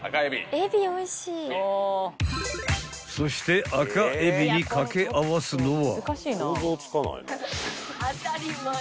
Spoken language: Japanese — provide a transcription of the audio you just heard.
［そして赤えびに掛け合わすのは］